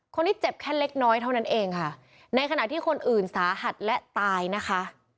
เจ็บแค่เล็กน้อยเท่านั้นเองค่ะในขณะที่คนอื่นสาหัสและตายนะคะ